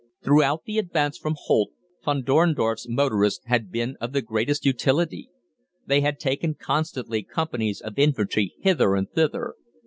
Throughout the advance from Holt, Von Dorndorf's motorists had been of the greatest utility. They had taken constantly companies of infantry hither and thither.